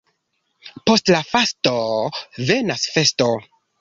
Post la fasto venas festo.